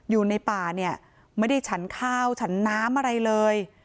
อยู่ในป่าเนี่ยไม่ได้ฉันข้าวฉันน้ำอะไรเลย